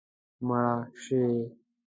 مړه شي